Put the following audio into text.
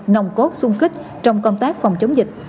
nồng cốt sung kích trong công tác phòng chống dịch